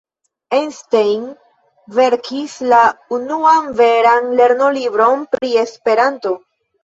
Einstein verkis la unuan veran lernolibron pri Esperanto.